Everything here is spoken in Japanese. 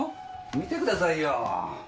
見てくださいよぉ。